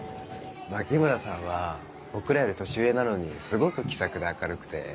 牧村さんは僕らより年上なのにすごく気さくで明るくて。